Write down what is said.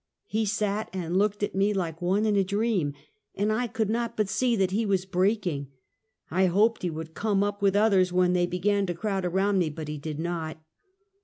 He sat and looked at me like one in a dream, and I could not but see that he was breaking. I hoped he would come up with others when they began to crowd around me, but he did not.